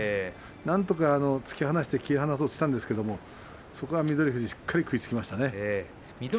なんとか突き放して切り離そうとしたんですけども翠富士、しっかりと食いつきましたね。